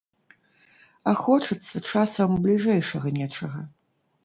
А хочацца часам бліжэйшага нечага.